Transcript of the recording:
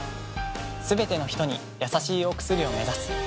すべてのひとにやさしいお薬を目指す。